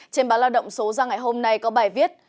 trên báo lao động số ra ngày hôm nay có bài viết